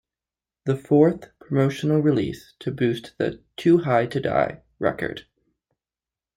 The fourth promotional release to boost the "Too High to Die" record.